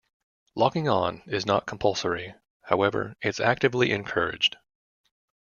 Logging on is not compulsory, however its actively encouraged.